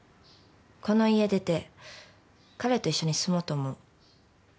この家出て彼と一緒に住もうと思う。